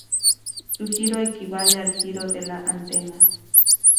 Su giro equivale al giro de la antena.